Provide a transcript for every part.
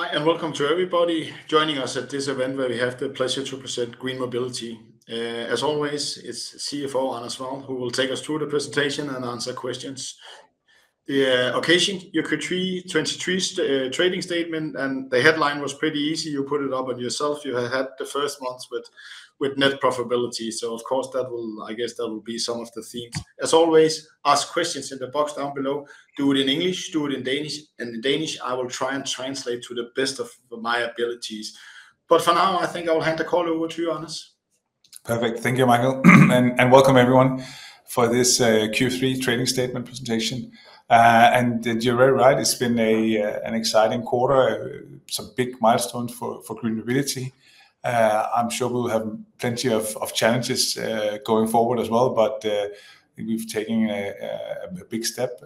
Hi, and welcome to everybody joining us at this event, where we have the pleasure to present GreenMobility. As always, it's CFO, Anders Wall, who will take us through the presentation and answer questions. The occasion, Q3 2023 trading statement, and the headline was pretty easy. You put it up on yourself. You have had the first months with, with net profitability, so of course, that will- I guess, that will be some of the themes. As always, ask questions in the box down below. Do it in English, do it in Danish. In Danish, I will try and translate to the best of my abilities. For now, I think I will hand the call over to you, Anders. Perfect. Thank you, Michael, and welcome everyone for this Q3 trading statement presentation. And you're very right, it's been an exciting quarter, some big milestones for GreenMobility. I'm sure we'll have plenty of challenges going forward as well, but we've taken a big step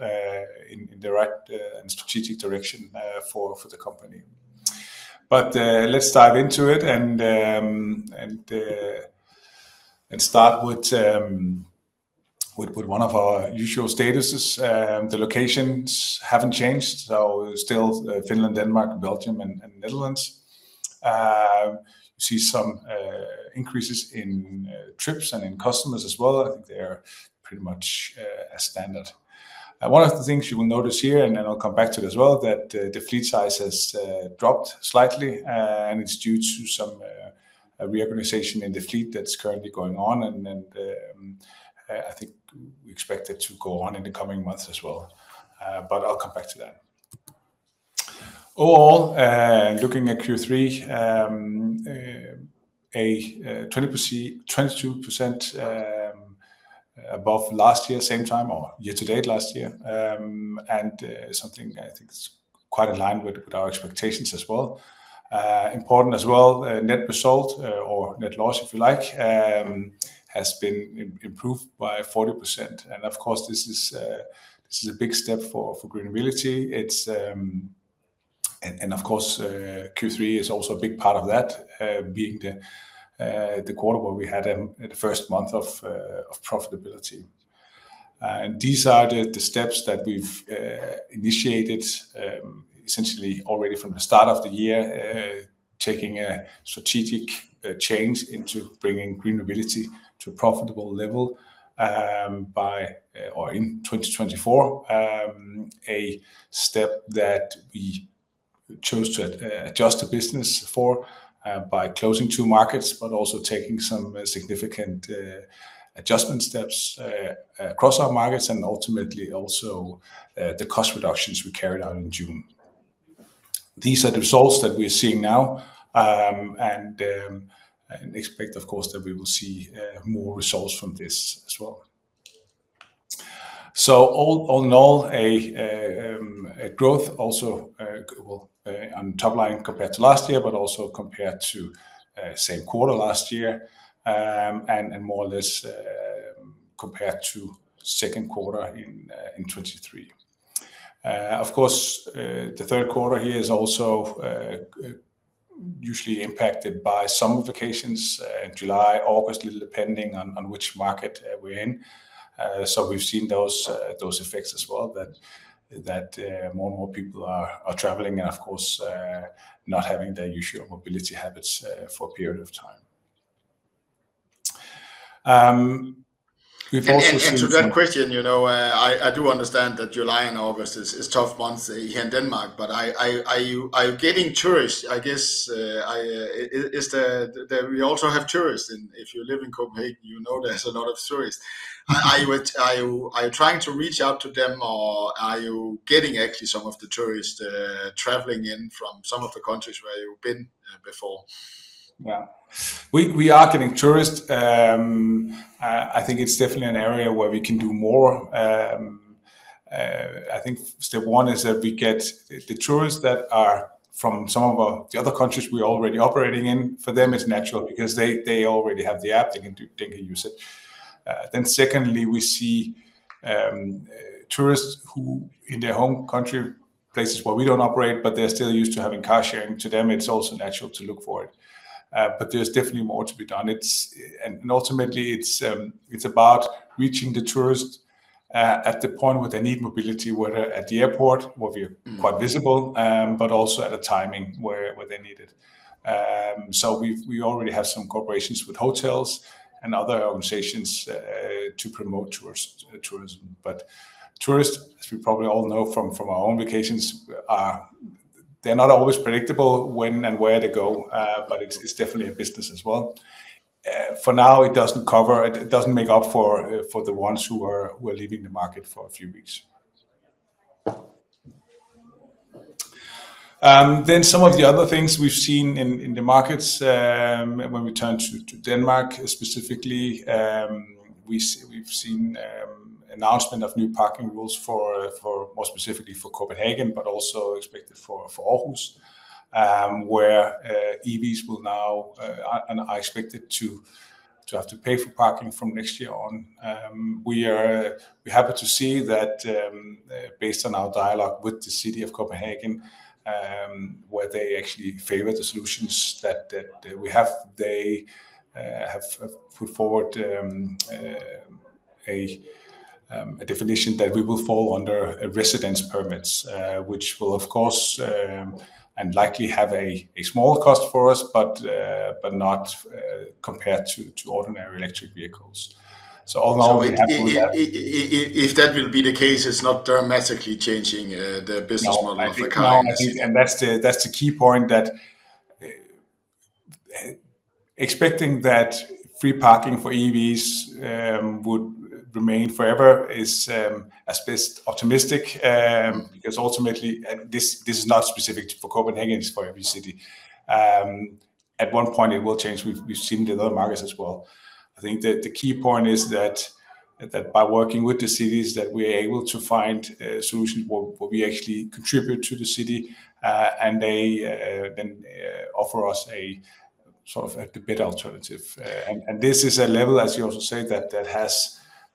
in the right and strategic direction for the company. But let's dive into it, and start with one of our usual statuses, the locations haven't changed, so still Finland, Denmark, Belgium, and Netherlands. You see some increases in trips and in customers as well. I think they are pretty much as standard. One of the things you will notice here, and then I'll come back to it as well, that the fleet size has dropped slightly, and it's due to some reorganization in the fleet that's currently going on. I think we expect it to go on in the coming months as well, but I'll come back to that. Overall, looking at Q3, a 20%, 22% above last year, same time, or year to date last year, and something I think is quite aligned with our expectations as well. Important as well, net result, or net loss, if you like, has been improved by 40%. Of course, this is a big step for GreenMobility. It's, and of course, Q3 is also a big part of that, being the quarter where we had the first month of profitability. These are the steps that we've initiated, essentially already from the start of the year, taking a strategic change into bringing GreenMobility to a profitable level by, or in 2024. A step that we chose to adjust the business for, by closing two markets, but also taking some significant adjustment steps across our markets, and ultimately, also, the cost reductions we carried out in June. These are the results that we're seeing now, and expect, of course, that we will see more results from this as well. All in all, a growth also, well, on top line compared to last year, but also compared to same quarter last year, and more or less, compared to second quarter in 2023. Of course, the third quarter here is also usually impacted by summer vacations in July, August, little depending on which market we're in. We've seen those effects as well, that more and more people are traveling and of course, not having their usual mobility habits for a period of time. We've also seen. To that question, you know, I do understand that July and August is tough months here in Denmark, but are you getting tourists? I guess, are there also tourists, and if you live in Copenhagen, you know there's a lot of tourists. Are you trying to reach out to them, or are you getting actually some of the tourists traveling in from some of the countries where you've been before? Well, we are getting tourists. I think it's definitely an area where we can do more. I think step one is that we get the tourists that are from some of the other countries we are already operating in. For them, it's natural because they already have the app, they can use it. Then secondly, we see tourists who, in their home country, places where we don't operate, but they're still used to having car sharing. To them, it's also natural to look for it. But there's definitely more to be done. And ultimately, it's about reaching the tourists at the point where they need mobility, whether at the airport, where we're quite visible. Mm But also at a timing where they need it. So we already have some corporations with hotels and other organizations to promote tourists, tourism. But tourists, as we probably all know from our own vacations, they're not always predictable when and where they go, but it's definitely a business as well. For now, it doesn't cover, it doesn't make up for the ones who are leaving the market for a few weeks. Then some of the other things we've seen in the markets, when we turn to Denmark specifically, we've seen announcement of new parking rules for more specifically for Copenhagen, but also expected for Aarhus, where EVs will now and are expected to have to pay for parking from next year on. We're happy to see that, based on our dialogue with the city of Copenhagen, where they actually favor the solutions that we have. They have put forward a definition that we will fall under a residence permits, which will, of course, and likely have a small cost for us, but not compared to ordinary electric vehicles. So although we have. So if that will be the case, it's not dramatically changing the business model- No, I think. Of the company. No, I think, and that's the key point that expecting that free parking for EVs would remain forever is at best optimistic. Because ultimately, this is not specific for Copenhagen; it's for every city. At one point it will change. We've seen it in other markets as well. I think that the key point is that by working with the cities, we're able to find solutions where we actually contribute to the city, and they then offer us a sort of a bit alternative. And this is a level, as you also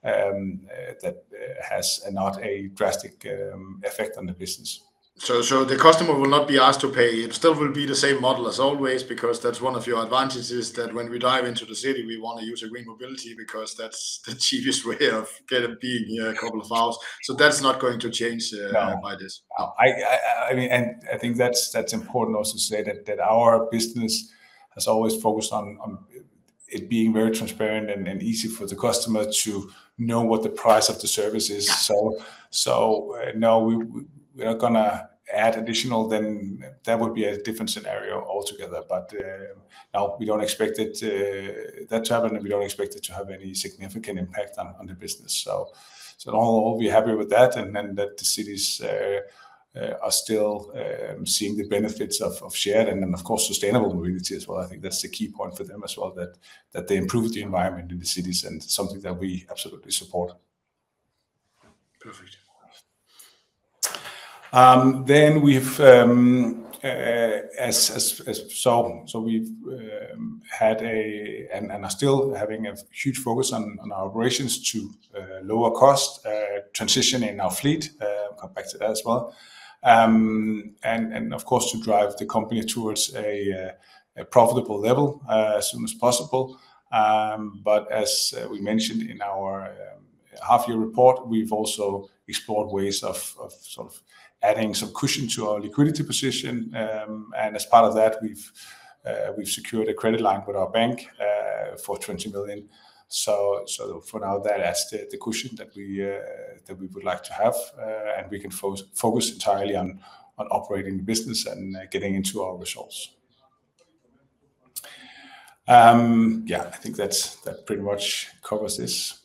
said, that has not a drastic effect on the business. So, the customer will not be asked to pay. It still will be the same model as always, because that's one of your advantages, that when we dive into the city, we want to use a GreenMobility, because that's the cheapest way of getting be in here a couple of hours. So that's not going to change. No By this? I mean, and I think that's important also to say that our business has always focused on it being very transparent and easy for the customer to know what the price of the service is. Yeah. So, no, we are gonna add additional then that would be a different scenario altogether. But, no, we don't expect that to happen, and we don't expect it to have any significant impact on the business. So, all be happy with that, and then the cities are still seeing the benefits of shared and of course sustainable mobility as well. I think that's the key point for them as well, that they improve the environment in the cities and something that we absolutely support. Perfect. Then we've, as Søren, so we've had a... and are still having a huge focus on our operations to lower cost, transitioning our fleet, come back to that as well. And of course, to drive the company towards a profitable level as soon as possible. But as we mentioned in our half-year report, we've also explored ways of sort of adding some cushion to our liquidity position. And as part of that, we've secured a credit line with our bank for 20 million. So for now, that's the cushion that we would like to have, and we can focus entirely on operating the business and getting into our results. Yeah, I think that pretty much covers this.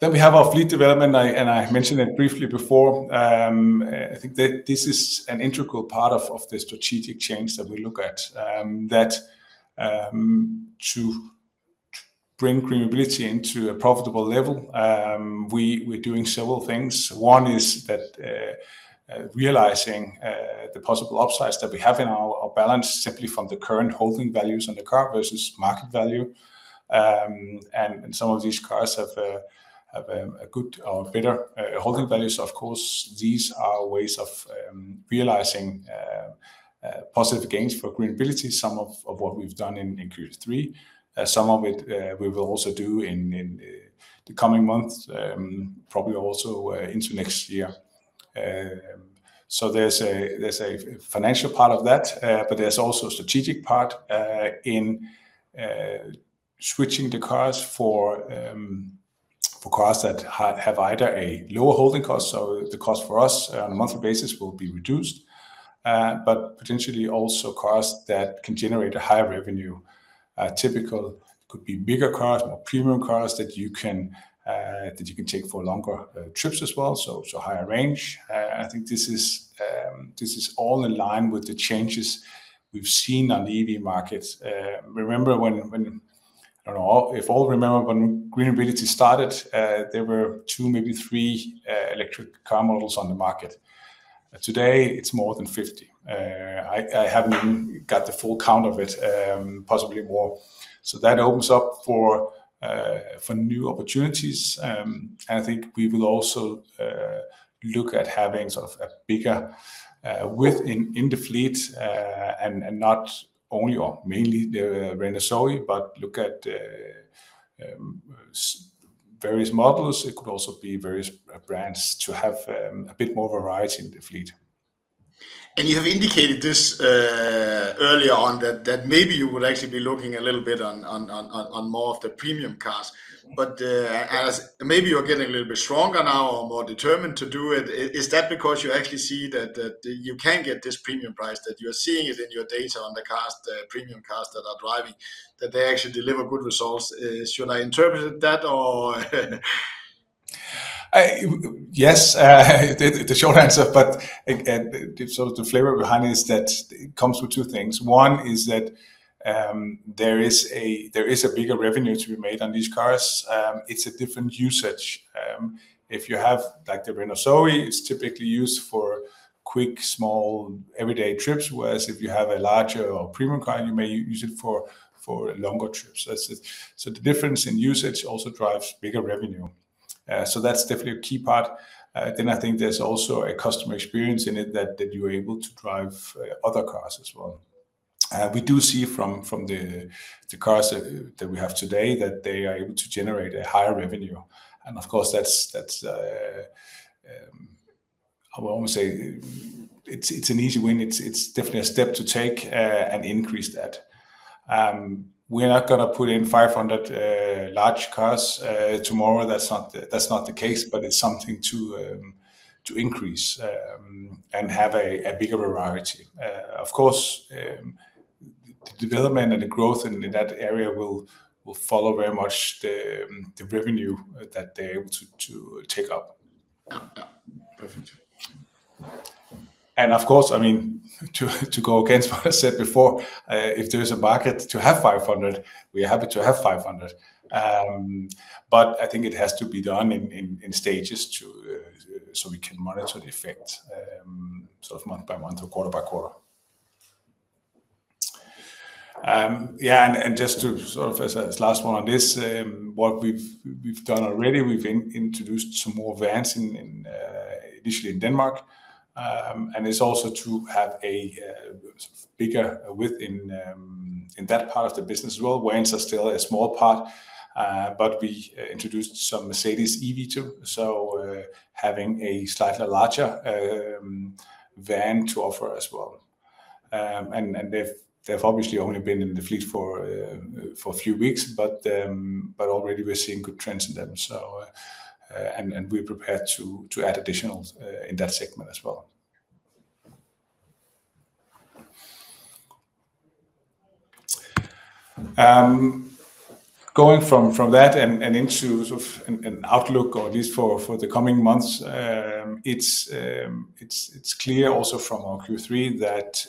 We have our fleet development, I mentioned it briefly before. I think that this is an integral part of the strategic change that we look at. To bring GreenMobility into a profitable level, we're doing several things. One is realizing the possible upsides that we have in our balance simply from the current holding values and the car versus market value. Some of these cars have a good or better holding values. Of course, these are ways of realizing positive gains for GreenMobility. Some of what we've done in Q3, some of it we will also do in the coming months, probably also into next year. There's a financial part of that, but there's also a strategic part in switching the cars for cars that have either a lower holding cost, so the cost for us on a monthly basis will be reduced, but potentially also cars that can generate a higher revenue. Typical could be bigger cars, more premium cars that you can take for longer trips as well, so higher range. I think this is all in line with the changes we've seen on the EV markets. Remember when, I don't know if all remember when GreenMobility started, there were 2, maybe 3, electric car models on the market. Today, it's more than 50. I haven't even got the full count of it, possibly more. So that opens up for new opportunities. And I think we will also look at having sort of a bigger width in the fleet, and not only or mainly the Renault Zoe, but look at various models. It could also be various brands to have a bit more variety in the fleet. And you have indicated this earlier on, that maybe you would actually be looking a little bit on more of the premium cars. But Yeah As maybe you're getting a little bit stronger now or more determined to do it. Is, is that because you actually see that, that you can get this premium price, that you're seeing it in your data on the cars, the premium cars that are driving, that they actually deliver good results? Should I interpret it that or? Yes, the short answer, but so the flavor behind is that it comes with two things. One is that there is a bigger revenue to be made on these cars. It's a different usage. If you have like the Renault ZOE, it's typically used for quick, small, everyday trips, whereas if you have a larger or premium car, you may use it for longer trips. That's it. So the difference in usage also drives bigger revenue. So that's definitely a key part. Then I think there's also a customer experience in it that you are able to drive other cars as well. We do see from the cars that we have today that they are able to generate a higher revenue, and of course, that's, I would almost say, an easy win. It's definitely a step to take and increase that. We are not gonna put in 500 large cars tomorrow. That's not the case, but it's something to increase and have a bigger variety. Of course, the development and the growth in that area will follow very much the revenue that they're able to take up. Perfect. And of course, I mean, to go against what I said before, if there is a market to have 500, we are happy to have 500. But I think it has to be done in stages, so we can monitor the effect, sort of month by month or quarter by quarter. Yeah, and just to sort of, as I said, this last one on this, what we've done already, we've introduced some more vans initially in Denmark. And it's also to have a sort of bigger width in that part of the business as well, vans are still a small part, but we introduced some Mercedes eVito, so having a slightly larger van to offer as well. And they've obviously only been in the fleet for a few weeks, but already we're seeing good trends in them. We're prepared to add additional in that segment as well. Going from that and into sort of an outlook or at least for the coming months, it's clear also from our Q3 that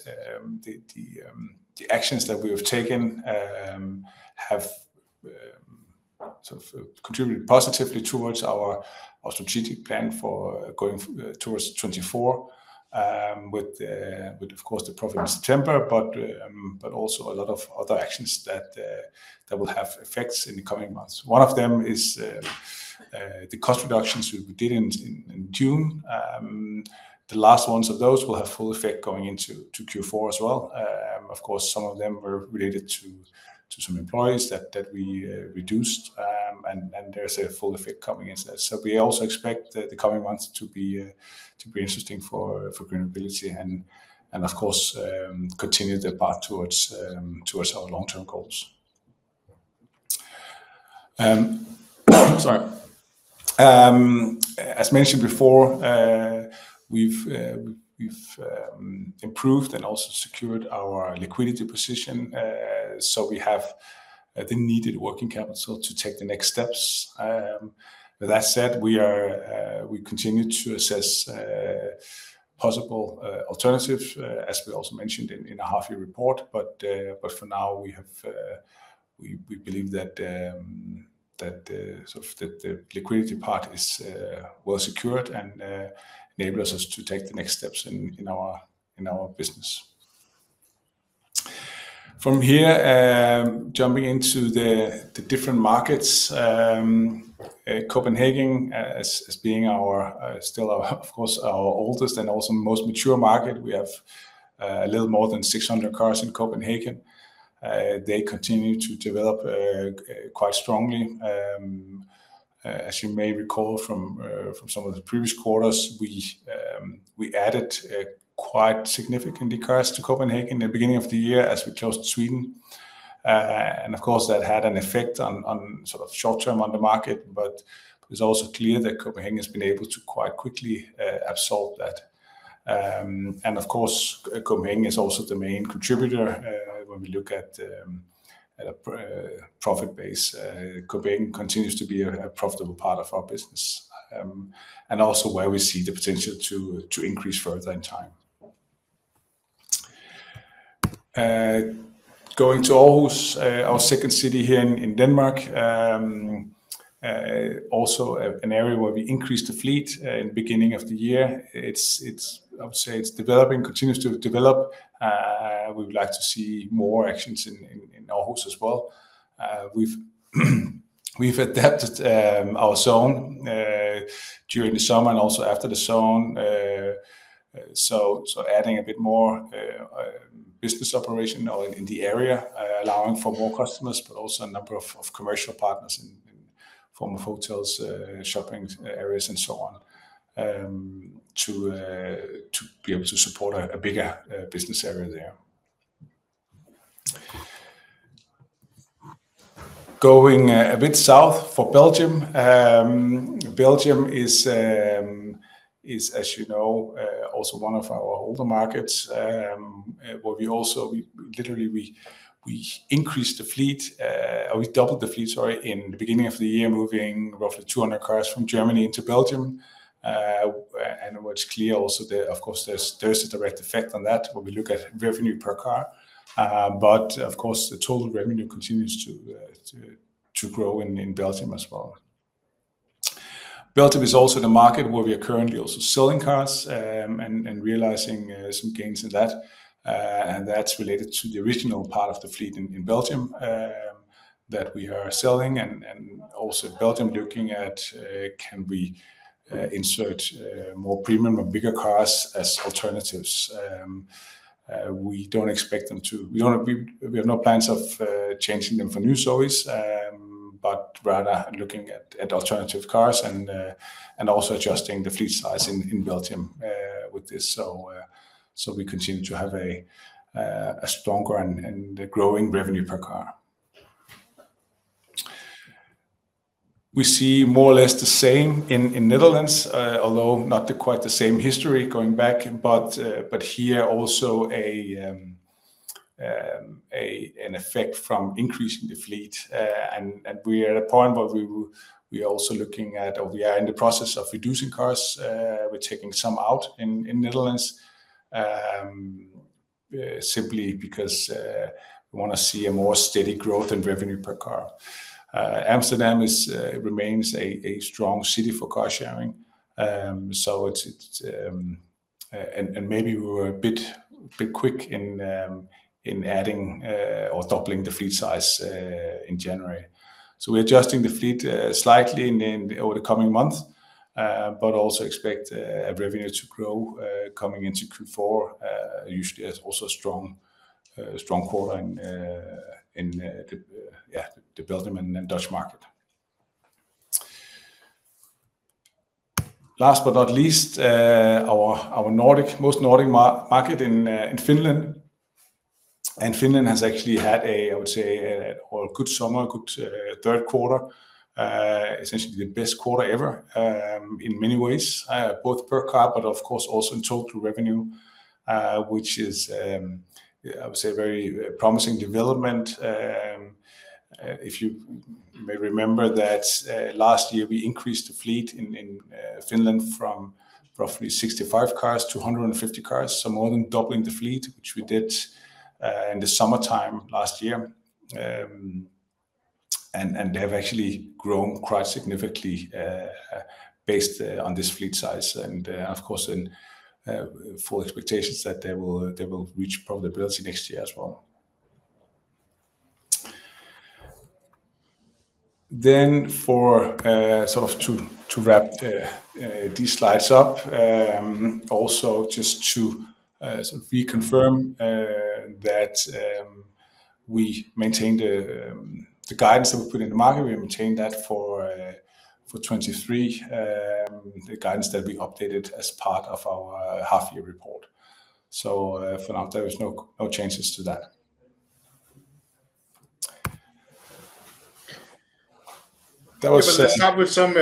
the actions that we have taken have sort of contributed positively towards our strategic plan for going towards 2024. With, of course, the profit in September, but also a lot of other actions that will have effects in the coming months. One of them is the cost reductions we did in June. The last ones of those will have full effect going into Q4 as well. Of course, some of them were related to some employees that we reduced, and there's a full effect coming into this. So we also expect the coming months to be interesting for GreenMobility and of course continue the path towards our long-term goals. Sorry. As mentioned before, we've improved and also secured our liquidity position, so we have the needed working capital to take the next steps. With that said, we continue to assess possible alternatives, as we also mentioned in a half-year report. For now, we have, we believe that, that sort of the liquidity part is well secured and enables us to take the next steps in our business. From here, jumping into the different markets, Copenhagen as being our, still our, of course, our oldest and also most mature market, we have a little more than 600 cars in Copenhagen. They continue to develop quite strongly. As you may recall from some of the previous quarters, we added quite significantly cars to Copenhagen in the beginning of the year as we closed Sweden. And of course, that had an effect on sort of short term on the market, but it's also clear that Copenhagen has been able to quite quickly absorb that. And of course, Copenhagen is also the main contributor when we look at profit base. Copenhagen continues to be a profitable part of our business, and also where we see the potential to increase further in time. Going to Aarhus, our second city here in Denmark, also an area where we increased the fleet in beginning of the year. It's developing, continues to develop. We would like to see more actions in Aarhus as well. We've adapted our zone during the summer and also after the zone. So adding a bit more business operation out in the area, allowing for more customers, but also a number of commercial partners in form of hotels, shopping areas, and so on, to be able to support a bigger business area there. Going a bit south for Belgium. Belgium is, as you know, also one of our older markets, where we also we literally, we increased the fleet, we doubled the fleet, sorry, in the beginning of the year, moving roughly 200 cars from Germany into Belgium. And what's clear also there, of course, there's a direct effect on that when we look at revenue per car. Of course, the total revenue continues to grow in Belgium as well. Belgium is also the market where we are currently also selling cars, and, and realizing, some gains in that, and that's related to the original part of the fleet in, in Belgium, that we are selling, and, and also Belgium looking at, can we, insert, more premium or bigger cars as alternatives? We don't expect them to- we don't, we, we have no plans of, changing them for new Zoes, but rather looking at, at alternative cars and, and also adjusting the fleet size in, in Belgium, with this. So, so we continue to have a, a stronger and, and a growing revenue per car. We see more or less the same in Netherlands, although not quite the same history going back, but here also an effect from increasing the fleet. We are at a point where we are also looking at, or we are in the process of reducing cars. We're taking some out in Netherlands, simply because we want to see a more steady growth in revenue per car. Amsterdam remains a strong city for car sharing. So it's and maybe we were a bit quick in adding or doubling the fleet size in January. We're adjusting the fleet slightly over the coming months, but also expect revenue to grow coming into Q4. Usually there's also a strong quarter in the Belgium and Dutch market. Last but not least, our most Nordic market in Finland. Finland has actually had a, I would say, well, good summer, good third quarter, essentially the best quarter ever in many ways, both per car, but of course also in total revenue, which is, I would say, a very promising development. If you may remember that last year we increased the fleet in Finland from roughly 65 cars to 150 cars, so more than doubling the fleet, which we did in the summertime last year. They have actually grown quite significantly, based on this fleet size, and of course, in full expectations that they will reach profitability next year as well. For, sort of to wrap these slides up, also just to reconfirm that we maintain the guidance that we put in the market, we maintain that for 2023, the guidance that we updated as part of our half-year report. For now, there is no changes to that. That was- Let's start with some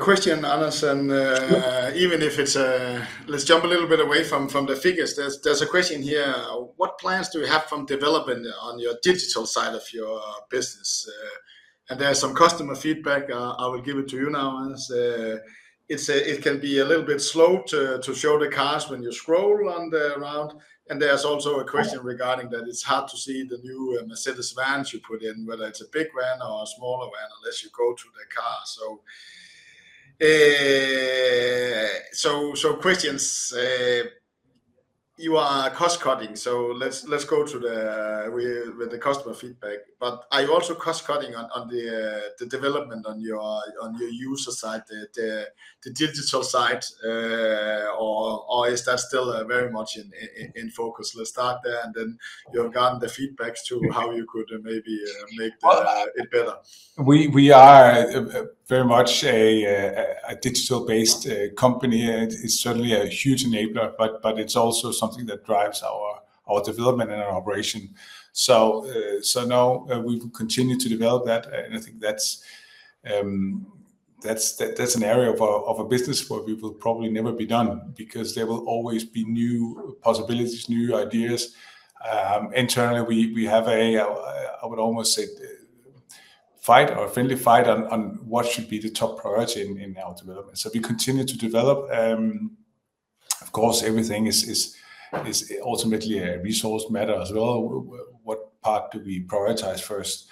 question, Anders, and. Sure Even if it's, let's jump a little bit away from the figures. There's a question here: "What plans do we have from development on your digital side of your business?" And there are some customer feedback. I will give it to you now, Anders. It's a little bit slow to show the cars when you scroll on the route. And there's also a question. Right Regarding that. It's hard to see the new Mercedes vans you put in, whether it's a big van or a smaller van, unless you go to the car. So, questions, you are cost-cutting, so let's go to the customer feedback. But are you also cost-cutting on the development on your user side, the digital side? Or is that still very much in focus? Let's start there, and then you have gotten the feedbacks to how you could maybe make it better. We are very much a digital-based company, and it's certainly a huge enabler, but it's also something that drives our development and our operation. No, we will continue to develop that, and I think that's an area of our business where we will probably never be done, because there will always be new possibilities, new ideas. Internally, we have a, I would almost say fight or a friendly fight on what should be the top priority in our development. We continue to develop. Of course, everything is ultimately a resource matter as well. What part do we prioritize first?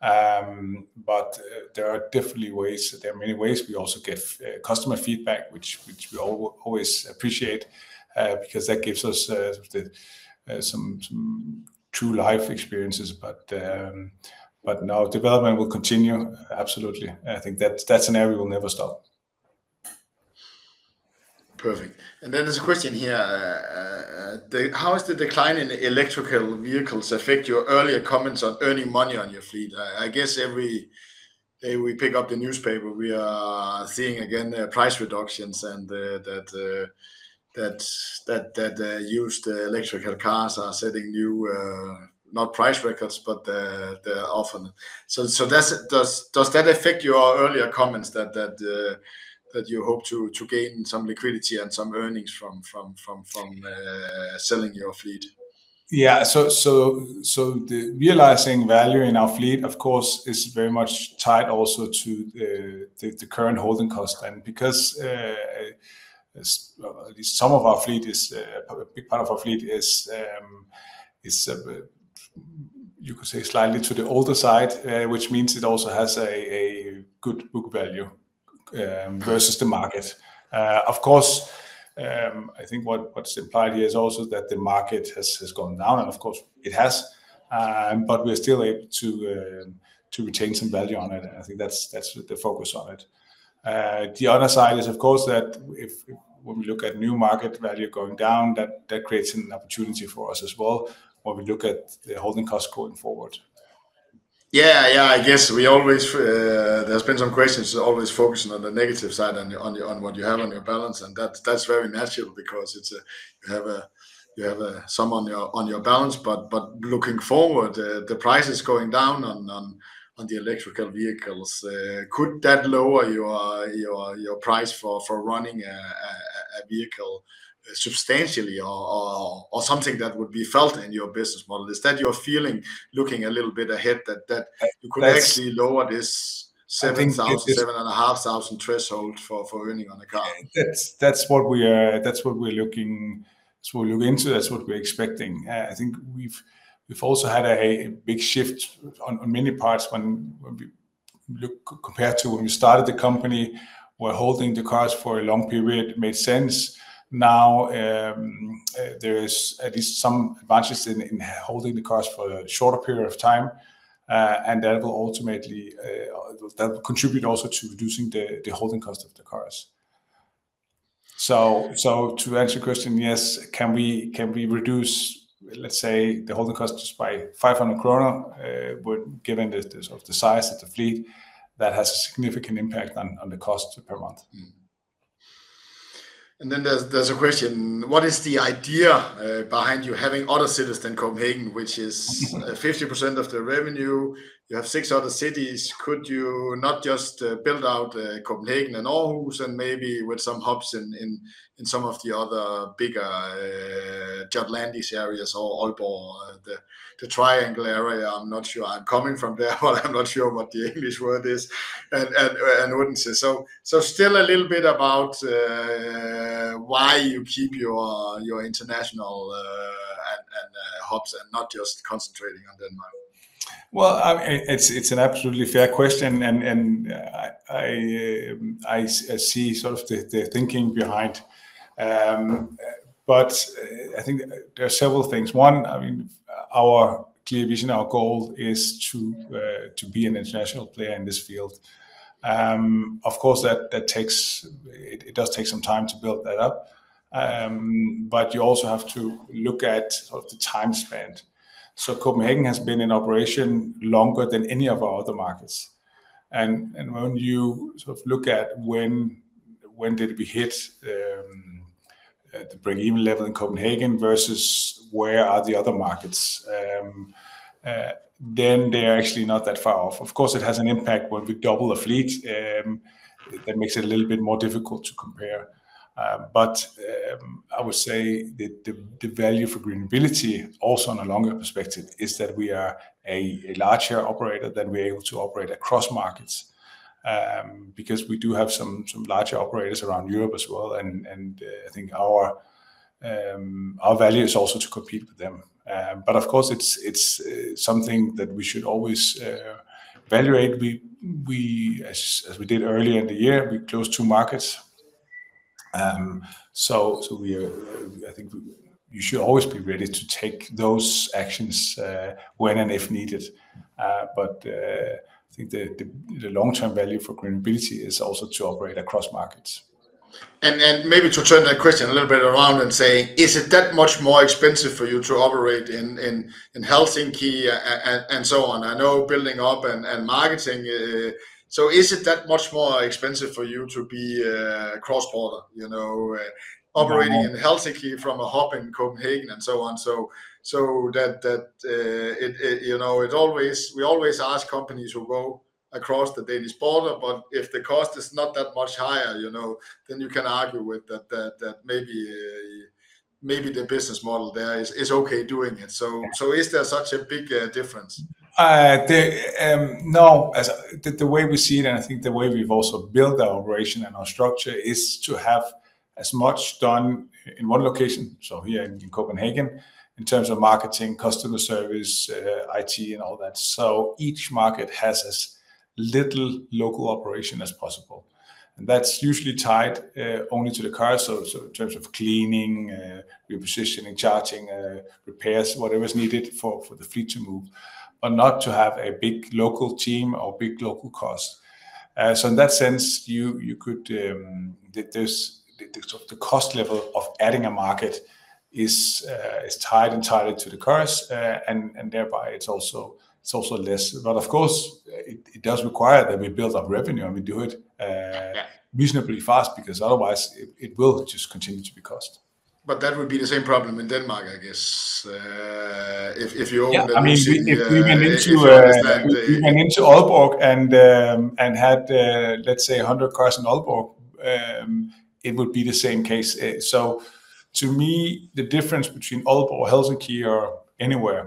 There are definitely ways, there are many ways. We also get customer feedback, which we always appreciate, because that gives us some true life experiences. But, but no, development will continue. Absolutely. I think that's an area we will never stop. Perfect. There's a question here: "How is the decline in electrical vehicles affect your earlier comments on earning money on your fleet?" I guess every day we pick up the newspaper, we are seeing again, price reductions and that used electrical cars are setting new, not price records, but they're often... Does that affect your earlier comments that you hope to gain some liquidity and some earnings from selling your fleet? Yeah. Realizing value in our fleet, of course, is very much tied also to the current holding cost level. Because at least some of our fleet is, a big part of our fleet is, you could say, slightly to the older side, which means it also has a good book value... versus the market. I think what's implied here is also that the market has gone down, and of course it has. We're still able to retain some value on it, and I think that's the focus on it. The other side is, of course, that if, when we look at new market value going down, that creates an opportunity for us as well, when we look at the holding costs going forward. Yeah, yeah, I guess we always, there's been some questions always focusing on the negative side on your, on your - on what you have on your balance, and that's, that's very natural because it's a - you have a, you have, some on your, on your balance. But, but looking forward, the prices going down on, on, on the electrical vehicles, could that lower your, your, your price for, for running a, a vehicle substantially or, or, or something that would be felt in your business model? Is that your feeling, looking a little bit ahead, that, that. Right You could actually lower this 7,000- I think it's- 7,500 threshold for earning on a car? That's what we, that's what we're looking, that's what we're looking into, that's what we're expecting. I think we've also had a big shift on many parts when we look, Compared to when we started the company, where holding the cars for a long period made sense. Now, there is at least some advantages in holding the cars for a shorter period of time, and that will ultimately, that will contribute also to reducing the holding cost of the cars. To answer your question, yes, can we, can we reduce, let's say, the holding costs by 500 kroner? Well, given the, sort of, the size of the fleet, that has a significant impact on the cost per month. And then there's a question: what is the idea behind you having other Cities than Copenhagen, which is. Mm 50% of the revenue, you have six other cities. Could you not just build out Copenhagen and Aarhus, and maybe with some hubs in some of the other bigger Jutlandish areas or Aalborg, the triangle area? I'm not sure. I'm coming from there, but I'm not sure what the English word is, and Odense. So still a little bit about why you keep your international and hubs and not just concentrating on Denmark? Well, it's an absolutely fair question, and I see sort of the thinking behind. But I think there are several things. One, I mean, our clear vision, our goal is to be an international player in this field. Of course, that takes, it does take some time to build that up. But you also have to look at, sort of, the time spent. So Copenhagen has been in operation longer than any of our other markets, and when you sort of look at when did we hit the break-even level in Copenhagen versus where are the other markets, then they are actually not that far off. Of course, it has an impact when we double the fleet, that makes it a little bit more difficult to compare. But I would say the value for GreenMobility, also on a longer perspective, is that we are a larger operator, that we're able to operate across markets. Because we do have some larger operators around Europe as well, and I think our value is also to compete with them. But of course, it's something that we should always evaluate. We, as we did earlier in the year, we closed two markets. So, we are. I think we should always be ready to take those actions, when and if needed. But I think the long-term value for GreenMobility is also to operate across markets. And maybe to turn that question a little bit around and say: Is it that much more expensive for you to operate in Helsinki and so on? I know building up and marketing. So is it that much more expensive for you to be cross-border, you know? No Operating in Helsinki from a hub in Copenhagen and so on? So, that, you know, we always ask companies who go across the Danish border, but if the cost is not that much higher, you know, then you can argue with that, maybe the business model there is okay doing it. Yeah. So, is there such a big difference? No. As the way we see it, and I think the way we've also built our operation and our structure, is to have as much done in one location, so here in Copenhagen, in terms of marketing, customer service, IT, and all that. So each market has as little local operation as possible, and that's usually tied only to the cars. So in terms of cleaning, repositioning, charging, repairs, whatever is needed for the fleet to move, but not to have a big local team or big local cost. So in that sense, you could. The sort of cost level of adding a market is tied entirely to the cars, and thereby it's also less. But of course, it does require that we build up revenue, and we do it. Yeah Reasonably fast, because otherwise it will just continue to be cost. But that would be the same problem in Denmark, I guess, if you opened a new city, Yeah, I mean, if we went into, It's that, If we went into Aalborg and had, let's say 100 cars in Aalborg, it would be the same case. So to me, the difference between Aalborg or Helsinki or anywhere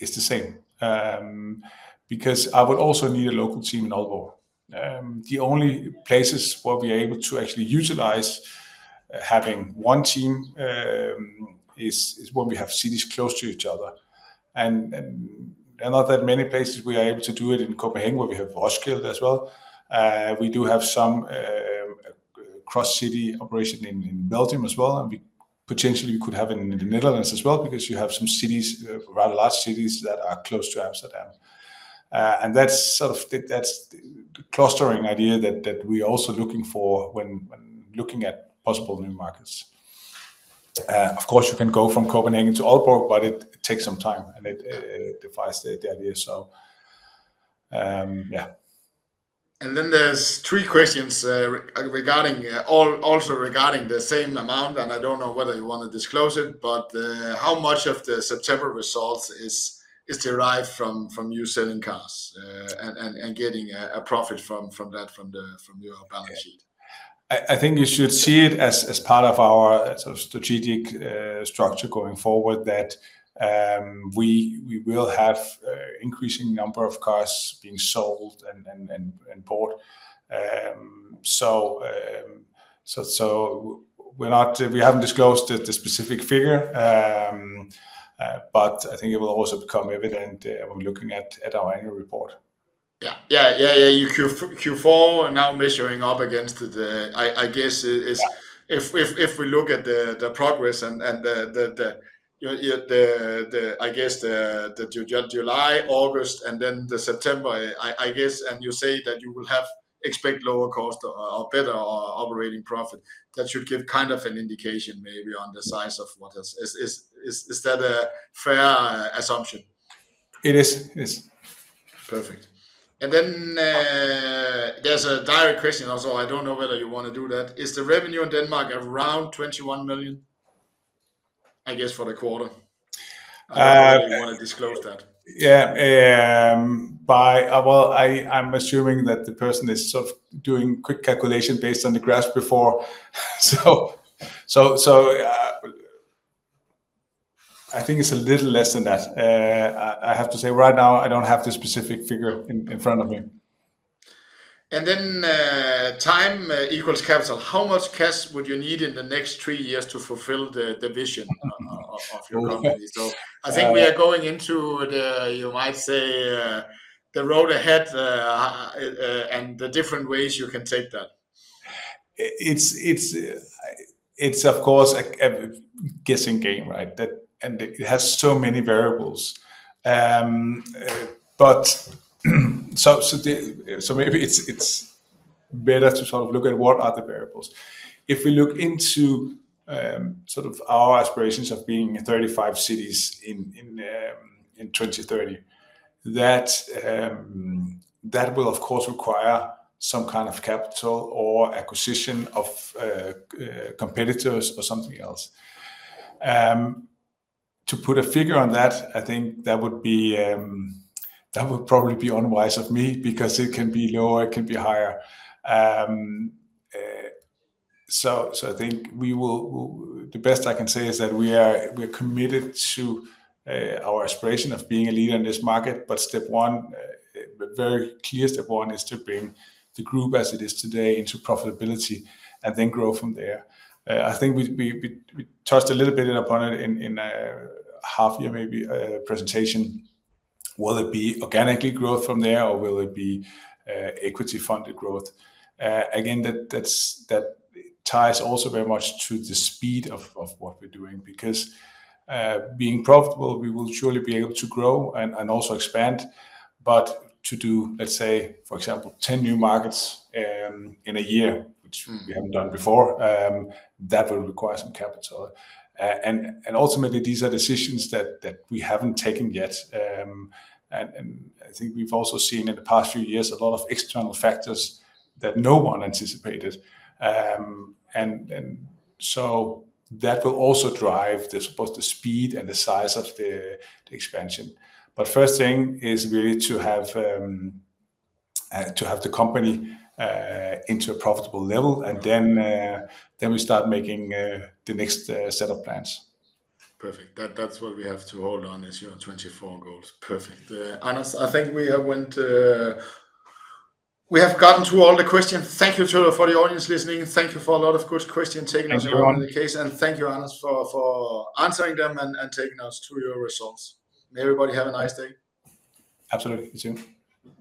is the same, because I would also need a local team in Aalborg. The only places where we are able to actually utilize having one Team is when we have cities close to each other. And not that many places we are able to do it in Copenhagen, where we have Roskilde as well. We do have some cross-city operation in Belgium as well, and we potentially could have in the Netherlands as well, because you have some cities, rather large cities, that are close to Amsterdam. That's the clustering idea that we're also looking for when looking at possible new markets. Of course, you can go from Copenhagen to Aalborg, but it takes some time, and it defies the idea. So, yeah. Then there's three questions regarding all also regarding the same amount, and I don't know whether you want to disclose it, but how much of the September results is derived from you selling cars and getting a profit from that from your balance sheet? I think you should see it as part of our sort of strategic structure going forward, that we will have a increasing number of cars being sold and bought. So we haven't disclosed the specific figure. But I think it will also become evident when looking at our annual report. Yeah. Yeah, yeah, yeah, you Q4 are now measuring up against the, I guess is- Yeah If we look at the progress and the July, August, and then the September, I guess, and you say that you will expect lower cost or better operating profit, that should give kind of an indication maybe on the size of what is. Is that a fair assumption? It is. It is. Perfect. And then, there's a direct question also, I don't know whether you want to do that. Is the revenue in Denmark around 21 million? I guess, for the quarter. Uh- Whether you want to disclose that. Yeah, well, I'm assuming that the person is sort of doing quick calculation based on the graphs before. So, I think it's a little less than that. I have to say right now, I don't have the specific figure in front of me. And then, time equals capital. How much cash would you need in the next three years to fulfill the vision of your company? Okay, uh- So I think we are going into the, you might say, the road ahead, and the different ways you can take that. It's, it's, it's of course a guessing game, right? That- and it has so many variables. But so, so the, so maybe it's better to sort of look at what are the variables. If we look into sort of our aspirations of being in 35 Cities in, in, in 2030, that will of course require some kind of capital or acquisition of competitors or something else. To put a figure on that, I think that would be that would probably be unwise of me, because it can be lower, it can be higher. So, so I think we will- the best I can say is that we are, we're committed to our aspiration of being a leader in this market. But step one, the very key step one, is to bring the group as it is today into profitability and then grow from there. I think we touched a little bit upon it in a half year, maybe, presentation. Will it be organically growth from there, or will it be equity funded growth? Again, that ties also very much to the speed of what we're doing. Because, being profitable, we will surely be able to grow and also expand. But to do, let's say, for example, 10 new markets, in a year, which we haven't done before, that will require some capital. And ultimately, these are decisions that we haven't taken yet. I think we've also seen in the past few years a lot of external factors that no one anticipated. So that will also drive the, sort of the speed and the size of the expansion. But first thing is really to have the company into a profitable level, and then we start making the next set of plans. Perfect. That, that's what we have to hold on as your 24 goals. Perfect. Anders, I think we have went, we have gotten through all the questions. Thank you to, for the audience listening. Thank you for a lot of good questions taken- Thank you, all. As the case, and thank you, Anders, for answering them and taking us through your results. May everybody have a nice day. Absolutely. You too.